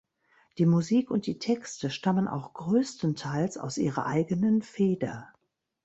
Die Musik und die Texte stammen auch größtenteils aus ihrer eigenen Feder.